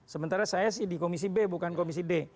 sementara saya sih di komisi b bukan komisi d